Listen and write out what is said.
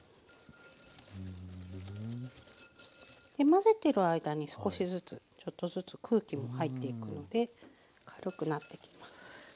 混ぜてる間に少しずつちょっとずつ空気も入っていくので軽くなってきます。